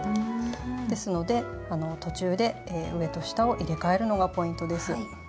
ですのであの途中で上と下を入れ替えるのがポイントです。